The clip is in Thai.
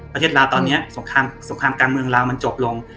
ประเทศลาวตอนนี้สงครามการเมืองลาวมันจบลง